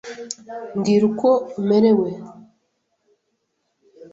Mbwira uko umerewe.